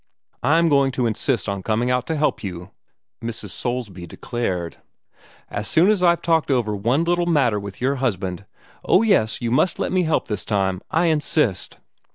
"I'm going to insist on coming out to help you," Mrs. Soulsby declared, "as soon as I've talked over one little matter with your husband. Oh, yes, you must let me this time. I insist!"